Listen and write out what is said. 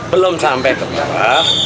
belum sampai ke bawah